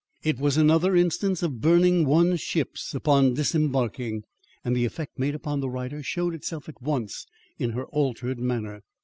It was another instance of burning one's ships upon disembarking, and the effect made upon the writer showed itself at once in her altered manner.